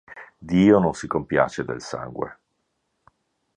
Dio non si compiace del sangue.